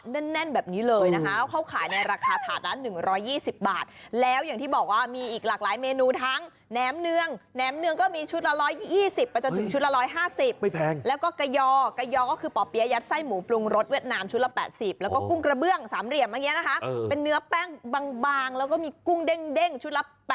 แน่นแบบนี้เลยนะคะเขาขายในราคาถาดละ๑๒๐บาทแล้วอย่างที่บอกว่ามีอีกหลากหลายเมนูทั้งแหนมเนืองแหมเนืองก็มีชุดละ๑๒๐ไปจนถึงชุดละ๑๕๐ไม่แพงแล้วก็กะยอกะยอก็คือป่อเปี๊ยยัดไส้หมูปรุงรสเวียดนามชุดละ๘๐แล้วก็กุ้งกระเบื้องสามเหลี่ยมเมื่อกี้นะคะเป็นเนื้อแป้งบางแล้วก็มีกุ้งเด้งชุดละ